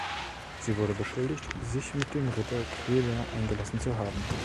Sie wurde beschuldigt, sich mit dem Ritter Celer eingelassen zu haben.